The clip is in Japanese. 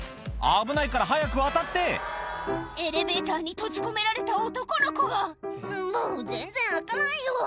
危ないから早く渡ってエレベーターに閉じ込められた男の子が「もう！全然開かないよ！